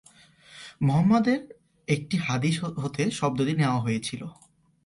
মুহাম্মদ-এর একটি হাদিস হতে শব্দটি নেওয়া হয়েছে।